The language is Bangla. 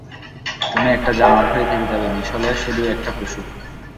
তুমি একটা জানোয়ার হয়ে থেকে যাবে, মিশেল শুধু একটা পশু।